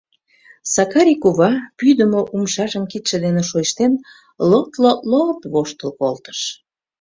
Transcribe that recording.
Сакари кува, пӱйдымӧ умшажым кидше дене шойыштен, лот-лот-лот воштыл колтыш.